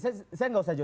saya gak usah jodoh